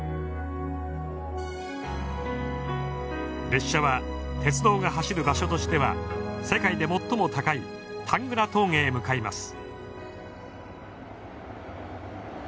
列車は鉄道が走る場所としては世界で最も高いタングラ峠へ向かいます。